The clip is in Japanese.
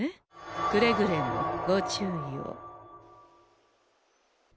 くれぐれもご注意を。